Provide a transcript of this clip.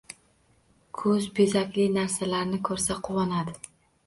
Ko‘z bezakli narsalarni ko‘rsa, quvonadi.